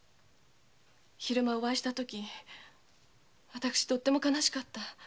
昼間お会いしたとき私とても悲しかった。